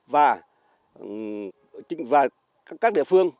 và các địa phương